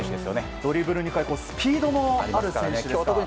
ドリブルに加えてスピードもある選手ですからね。